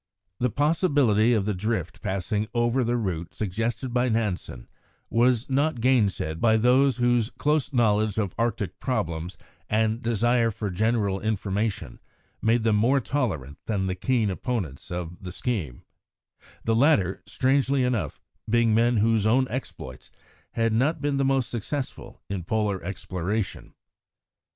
The possibility of the drift passing over the route suggested by Nansen was not gainsaid by those whose close knowledge of Arctic problems, and desire for general information, made them more tolerant than the keen opponents of the scheme the latter, strangely enough, being men whose own exploits had not been the most successful in Polar exploration.